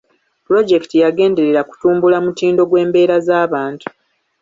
Pulojekiti yagenderera kutumbula mutindo gw'embeera z'abantu.